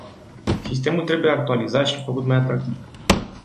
Sistemul trebuie actualizat și făcut mai atractiv.